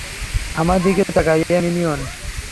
আমার দিকে তাকা, এ মিনিয়ন।